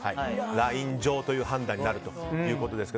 ライン上という判断になるということですが。